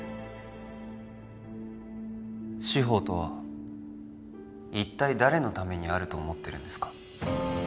司法とは一体誰のためにあると思ってるんですか？